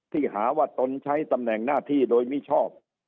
หาว่าตนใช้ตำแหน่งหน้าที่โดยมิชอบ